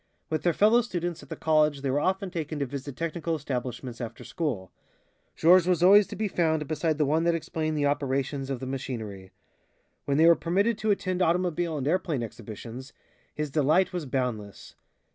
With their fellow students at the college they were often taken to visit technical establishments after school. Georges was always to be found beside the one that explained the operations of the machinery. When they were permitted to attend automobile and airplane exhibitions, his delight was boundless.